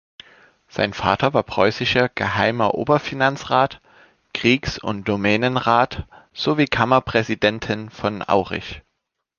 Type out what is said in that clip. Sein Vater war preußischer Geheimer Oberfinanzrat, Kriegs- und Domänenrat sowie Kammerpräsidenten von Aurich.